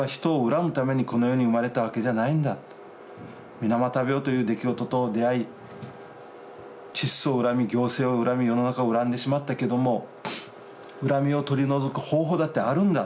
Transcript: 水俣病という出来事と出会いチッソを恨み行政を恨み世の中を恨んでしまったけども恨みを取り除く方法だってあるんだと。